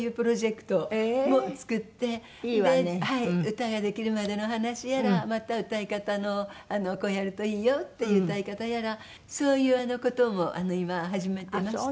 歌ができるまでの話やらまた歌い方の「こうやるといいよ」っていう歌い方やらそういう事も今始めてまして。